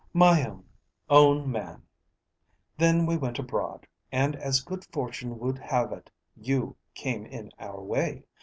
"My own, own man. Then we went abroad, and as good fortune would have it you came in our way.